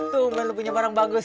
tuh belum punya barang bagus